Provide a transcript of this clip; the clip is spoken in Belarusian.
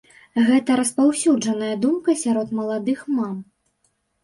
Гэта распаўсюджаная думка сярод маладых мам.